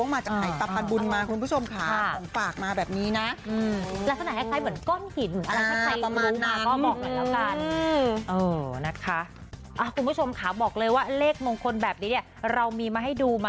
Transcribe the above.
แสดงล้วงมาจากไข่ตับปรารถมุนมาคุณผู้ชมคะ